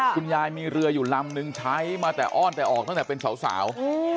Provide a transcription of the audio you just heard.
คุณยายมีเรืออยู่ลำนึงใช้มาแต่อ้อนแต่ออกตั้งแต่เป็นสาว